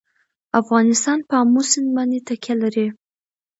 افغانستان په آمو سیند باندې تکیه لري.